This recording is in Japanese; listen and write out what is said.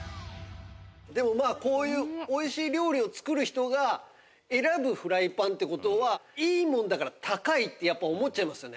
でもまあこういう美味しい料理を作る人が選ぶフライパンって事はいいものだから高いってやっぱ思っちゃいますよね。